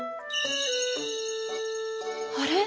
あれ？